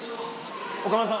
岡村さん